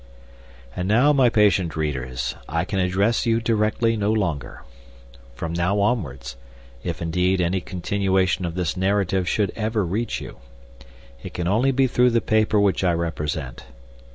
And now my patient readers, I can address you directly no longer. From now onwards (if, indeed, any continuation of this narrative should ever reach you) it can only be through the paper which I represent.